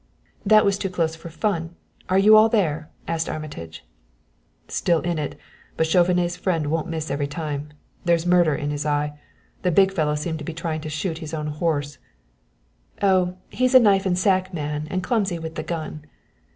"That was too close for fun are you all there?" asked Armitage. "Still in it; but Chauvenet's friend won't miss every time. There's murder in his eye. The big fellow seemed to be trying to shoot his own horse." "Oh, he's a knife and sack man and clumsy with the gun."